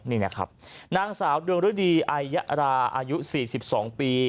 นี่นะครับนางสาวดวงฤดีอายะราอายุ๔๒ปี